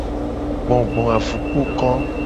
Gbogboavukukoto.